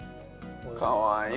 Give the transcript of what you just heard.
かわいい。